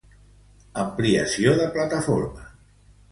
Ampliació de plataforma.